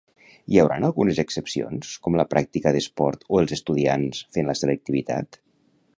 Hi hauran algunes excepcions, com la pràctica d'esport o els estudiants fent la selectivitat.